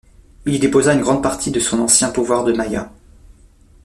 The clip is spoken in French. Il y déposa une grande partie de son ancien pouvoir de Maia.